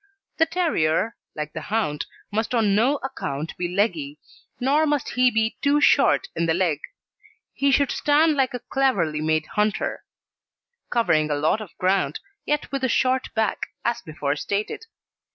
The terrier, like the hound, must on no account be leggy, nor must he be too short in the leg. He should stand like a cleverly made hunter, covering a lot of ground, yet with a short back, as before stated.